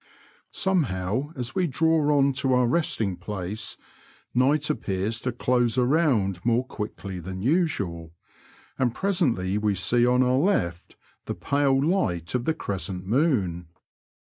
Somehow, as we draw on to our restng place, night appears to close around more quickly than usual, and pre sently we see on our left the pale light of the crescent moon.